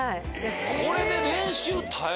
これで。